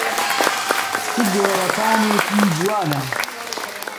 چ گۆڕەپانێکی جوانە!